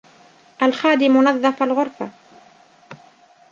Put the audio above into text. الْخَادِمُ نَظَّفَ الْغُرْفَةَ.